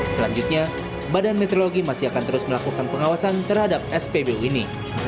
selanjutnya badan meteorologi masih akan terus melakukan pengawasan terhadap spbu ini